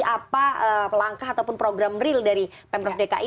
apa langkah ataupun program real dari pemprov dki